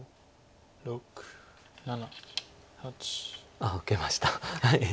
あっ受けました。